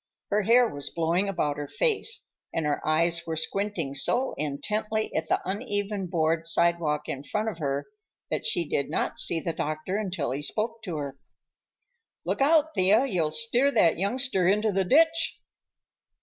Her hair was blowing about her face, and her eyes were squinting so intently at the uneven board sidewalk in front of her that she did not see the doctor until he spoke to her. "Look out, Thea. You'll steer that youngster into the ditch."